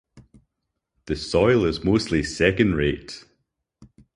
The Soil is mostly second rate.